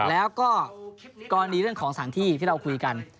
แล้วก็กรณีเรื่องของสถานที่ที่เราคุยกัน